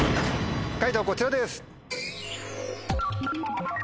解答こちらです。